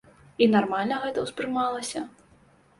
І нармальна гэта ўспрымалася.